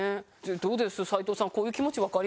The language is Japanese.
どうです？